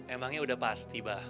emangnya udah pasti bah